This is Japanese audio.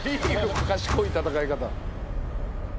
賢い戦い方。